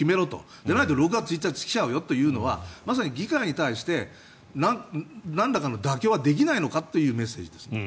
じゃないと６月１日が来ちゃうよというのはまさに議会に対してなんらかの妥協はできないのかというメッセージです。